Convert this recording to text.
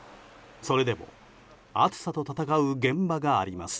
それでも暑さと闘う現場があります。